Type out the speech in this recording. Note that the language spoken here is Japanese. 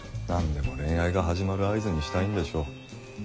何でも恋愛が始まる合図にしたいんでしょう。